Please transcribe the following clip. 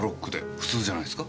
普通じゃないすか？